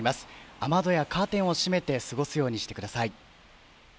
雨戸やカーテンを閉めて過ごすようにしてください。